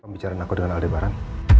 kamu bicara sama aku dengan aldebaran